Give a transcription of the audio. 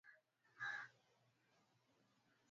ni kijana mtiifu na mkakamavu